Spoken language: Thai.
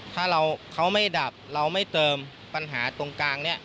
ถ้าเขาไม่ดับเราไม่เติมปัญหาตรงกลางนี้